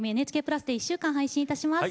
プラスで１週間配信いたします。